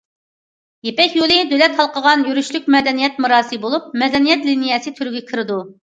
يىپەك يولى دۆلەت ھالقىغان يۈرۈشلۈك مەدەنىيەت مىراسى بولۇپ، مەدەنىيەت لىنىيەسى تۈرىگە كىرىدۇ.